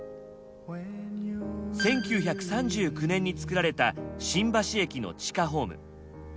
１９３９年に造られた新橋駅の地下ホーム。